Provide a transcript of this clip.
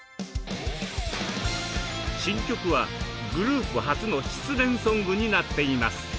新曲はグループ初の失恋ソングになっています。